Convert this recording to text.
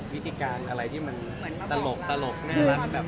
วิธีการอะไรที่มันสลกตลกแนวรักแบบนี้